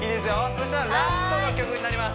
そうしたらラストの曲になります